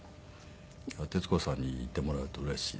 徹子さんに言ってもらうとうれしいですね。